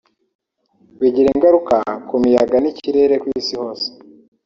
bigira ingaruka ku miyaga n’ikirere ku Isi hose